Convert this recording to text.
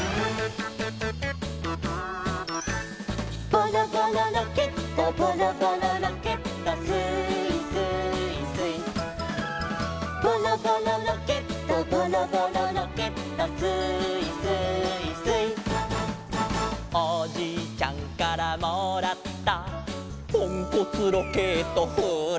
「ボロボロロケットボロボロロケット」「スーイスーイスイ」「ボロボロロケットボロボロロケット」「スーイスーイスイ」「おじいちゃんからもらった」「ポンコツロケットフーラフラ」